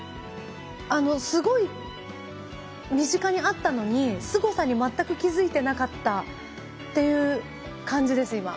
すごい身近にあったのにすごさに全く気付いてなかったっていう感じです今。